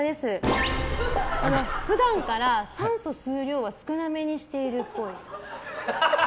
普段から酸素吸う量は少なめにしているっぽい。